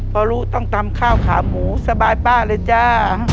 พอรู้ต้องตำข้าวขาหมูสบายป้าเลยจ้า